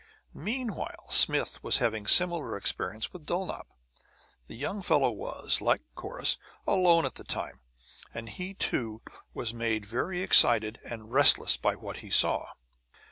Meanwhile Smith was having a similar experience with Dulnop. The young fellow was, like Corrus, alone at the time; and he, too, was made very excited and restless by what he saw.